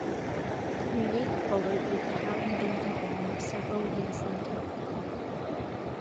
Unique followed with a Howdy Doody band several years later.